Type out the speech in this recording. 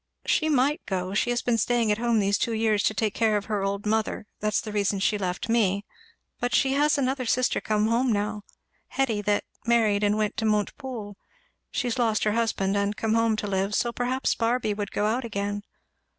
"She might go she has been staying at home these two years, to take care of her old mother, that's the reason she left me; but she has another sister come home now, Hetty, that married and went to Montepoole, she's lost her husband and come home to live; so perhaps Barby would go out again.